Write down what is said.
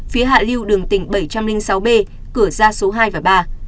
phía hạ lưu đường tỉnh bảy trăm linh sáu b cửa ra số hai và ba